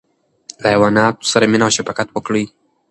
له حیواناتو سره مینه او شفقت وکړئ.